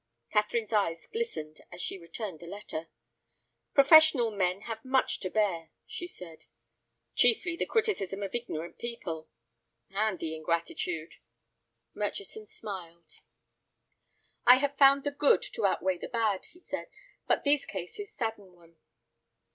Catherine's eyes glistened as she returned the letter. "Professional men have much to bear," she said. "Chiefly the criticism of ignorant people." "And the ingratitude!" Murchison smiled. "I have found the good to outweigh the bad," he said; "but these cases sadden one."